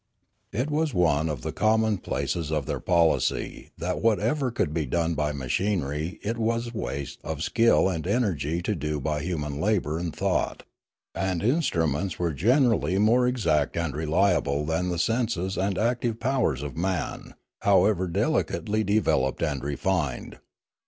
It was one of the commonplaces of their policy that whatever could be done by machinery it was waste of skill and energy to do by human labour and thought; and instruments were generally more exact and reliable than the senses and active powers of man, however delicately developed and refined.